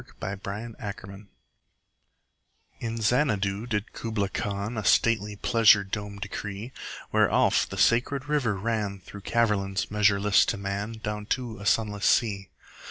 Kubla Khan IN Xanadu did Kubla Khan A stately pleasure dome decree: Where Alph, the sacred river, ran Through caverns measureless to man Down to a sunless sea.